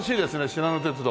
しなの鉄道。